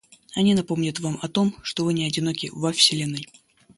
Они напомнят вам о том, что вы не одиноки во Вселенной.